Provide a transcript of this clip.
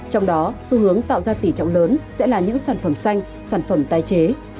trong đó xu hướng tạo ra tỷ trọng lớn sẽ là những sản phẩm xanh sản phẩm tai chế